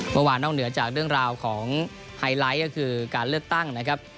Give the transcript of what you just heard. เมื่อวานนอกเหนือจากเรื่องราวของไฮไลท์ก็คือการเลือกตั้งนะครับ